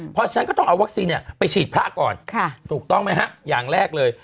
เพราะฉะนั้นก็ต้องเอาวัคซีนไปฉีดพระก่อนถูกต้องไหมฮะอย่างแรกเลย